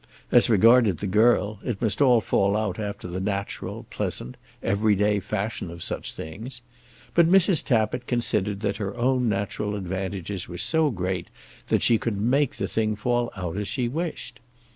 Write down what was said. As regarded the girl, it must all fall out after the natural, pleasant, everyday fashion of such things; but Mrs. Tappitt considered that her own natural advantages were so great that she could make the thing fall out as she wished.